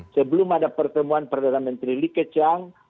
sebelum ada pertemuan perdana menteri li keqiang